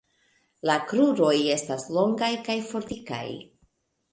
La kruroj estas longaj kaj fortikaj.